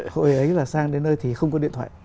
hội ấy là sang đến nơi thì không có điện thoại